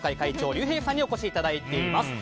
りゅうへいさんにお越しいただいています。